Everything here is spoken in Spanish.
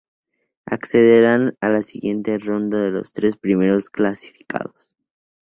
Accederán a la siguiente ronda los tres primeros clasificados.